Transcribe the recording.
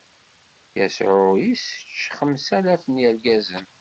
Yasuɛ issečč xemsalaf n yirgazen.